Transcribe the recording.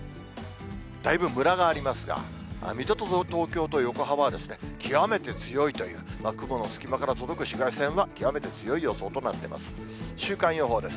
だいぶむらがありますが、水戸と東京と横浜は極めて強いという、雲の隙間から届く紫外線は極めて強い予想となっています。